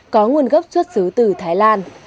có nguồn gốc xuất xứ từ thái lan